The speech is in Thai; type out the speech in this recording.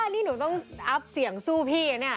นี่หนูต้องอัพเสี่ยงสู้พี่นะเนี่ย